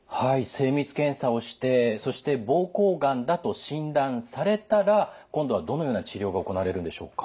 精密検査をしてそして膀胱がんだと診断されたら今度はどのような治療が行われるんでしょうか。